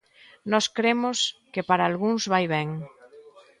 Nós cremos que para algúns vai ben.